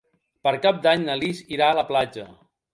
Per Cap d'Any na Lis irà a la platja.